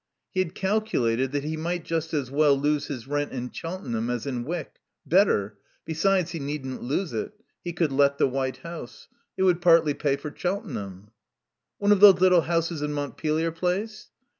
(He had calculated that he might just as well lose his rent in Cheltenham as in Wyck. Better. Besides, he needn't lose it. He could let the White House. It would partly pay for Cheltenham.) "One of those little houses in Montpelier Place?"